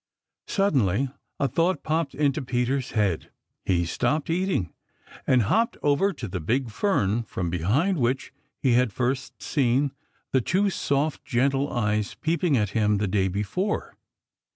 Suddenly a thought popped into Peter's head. He stopped eating and hopped over to the big fern from behind which he had first seen the two soft, gentle eyes peeping at him the day before.